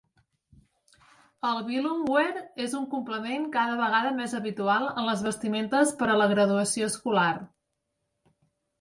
El "bilumware" és un complement cada vegada més habitual en les vestimentes per a la graduació escolar.